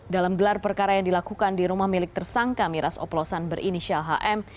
dalam gelar perkara yang dilakukan di rumah milik tersangka miras oplosan berinisial hm